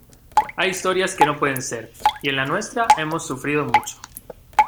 hay historias que no pueden ser y en la nuestra hemos sufrido mucho.